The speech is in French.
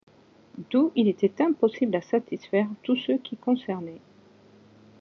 D'où, il était impossible à satisfaire tous ceux qui concernaient.